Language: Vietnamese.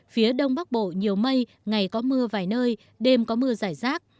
phía đông bắc bộ nhiều mây ngày có mưa vài nơi đêm có mưa giải rác